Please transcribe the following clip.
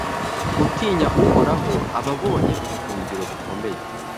Utinya Uhoraho aba abonye ubuhungiro bukomeye